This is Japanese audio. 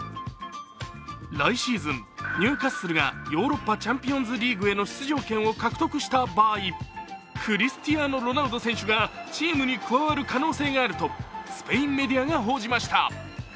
来シーズン、ニューカッスルがヨーロッパチャンピオンリーグへの出場権を獲得した場合クリスチアーノ・ロナウド選手がチームに加わる可能性があると、スペインメディアが報じました。